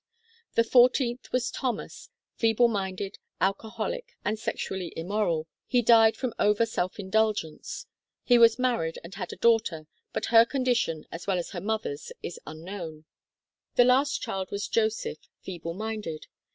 The fourteenth was Thomas, feeble minded, alcoholic, and sexually immoral. He died from over self indul gence. He was married and had a daughter, but her condition as well as her mother's is unknown. 26 THE KALLIKAK FAMILY The last child was Joseph, feeble minded.